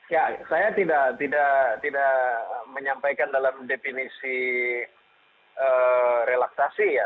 ya saya tidak menyampaikan dalam definisi relaksasi ya